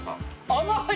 甘い！